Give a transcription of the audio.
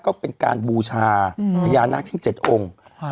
ก็เป็นการบูชาอืมพญานาคที่เจ็ดองค์อ่า